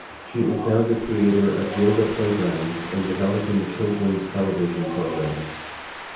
She is now the creator of Yoga Playgrounds and developing children's television programs.